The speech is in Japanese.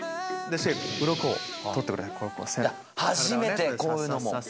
初めてこういうのも！